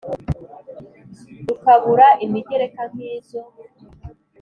Rukabura imigereka nk'izo